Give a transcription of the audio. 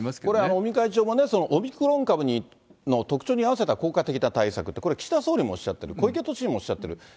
これ、尾身会長もオミクロン株の特徴に合わせた効果的な対策って、これ、岸田総理もおっしゃってる、小池都知事もおっしゃってる。